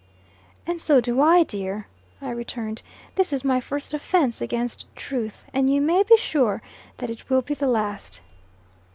"And so do I, dear," I returned. "This is my first offence against truth, and you may be sure that it will be the last."